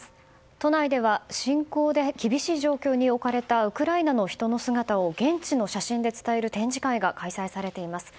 都内では侵攻で厳しい状況に置かれたウクライナの人の姿を現地の写真で伝える展示会が開催されています。